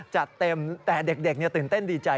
จัดเต็มแต่เด็กตื่นเต้นดีใจ